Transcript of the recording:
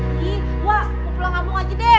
iiih wak mau pulang abu abu aja deh